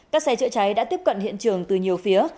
các xe chữa cháy đã tiếp cận hiện trường từ nhiều phía